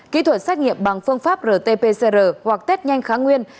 kỹ thuật xét nghiệm bằng phương pháp rt pcr hoặc test nhanh kháng nguyên